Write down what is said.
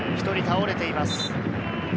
１人倒れています。